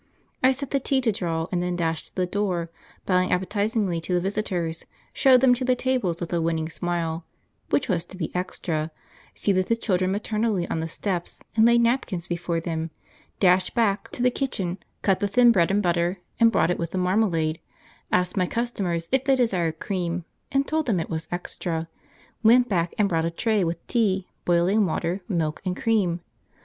I set the tea to draw, and then dashed to the door, bowed appetisingly to the visitors, showed them to the tables with a winning smile (which was to be extra), seated the children maternally on the steps and laid napkins before them, dashed back to the kitchen, cut the thin bread and butter, and brought it with the marmalade, asked my customers if they desired cream, and told them it was extra, went back and brought a tray with tea, boiling water, milk, and cream.